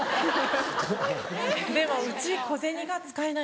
でもうち小銭が使えないんです。